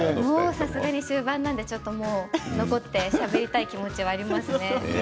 さすがに終盤なので残ってしゃべりたい気持ちはありますね。